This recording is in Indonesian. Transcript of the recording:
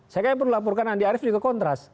saya kaya perlu laporkan andi arief di kekontras